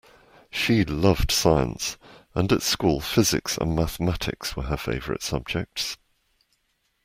She loved science, and at school physics and mathematics were her favourite subjects